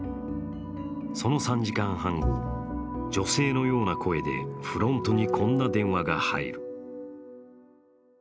その３時間半後、女性のような声でフロントにこんな電話が入る。